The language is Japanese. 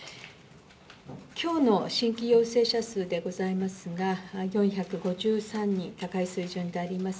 きょうの新規陽性者数でございますが、４５３人、高い水準であります。